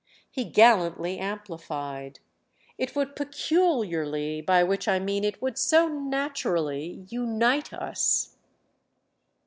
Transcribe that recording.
He gallantly amplified. "It would peculiarly—by which I mean it would so naturally—unite us!"